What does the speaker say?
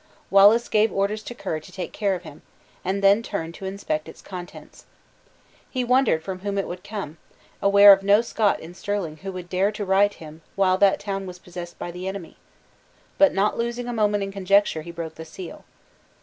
Wallace gave orders to Ker to take care of him, and then turned to inspect its contents. He wondered from whom it would come, aware of no Scot in Stirling who would dare to write to him while that town was possessed by the enemy. But not losing a moment in conjecture, he broke the seal.